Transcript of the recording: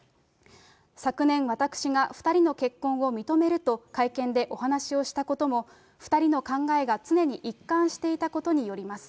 昨年、私が２人の結婚を認めると会見でお話をしたことも、２人の考えが常に一貫していたことによります。